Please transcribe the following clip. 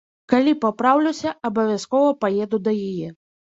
Калі папраўлюся, абавязкова паеду да яе.